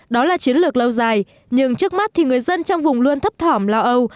đó là chiến lược lâu dài nhưng trước mắt thì người dân trong vùng luôn thấp thỏm lo âu